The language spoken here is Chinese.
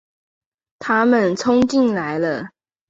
他们冲进来了